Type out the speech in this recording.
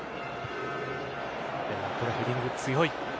ヘディング強い。